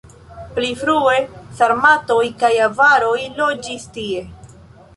Pli frue sarmatoj kaj avaroj loĝis tie.